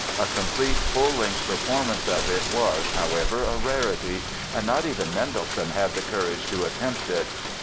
A complete, full length performance of it was, however, a rarity and not even Mendelssohn had the courage to attempt it.